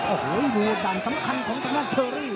โอ้โหเผยดั่งสำคัญของตรงนั้นเชอรี่